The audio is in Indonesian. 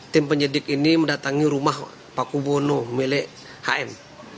tim penyidik ini mendatangi rumah pakuwono milik hm